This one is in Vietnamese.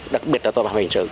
đặc biệt là tội phạm hình sự